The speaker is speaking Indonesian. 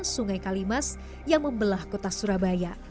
sungai kalimas yang membelah kota surabaya